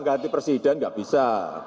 ganti presiden nggak bisa